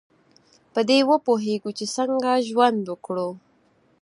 په دې پوهیږو چې څنګه ژوند وکړو.